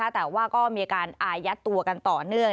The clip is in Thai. แต่ว่าก็มีการอายัดตัวกันต่อเนื่อง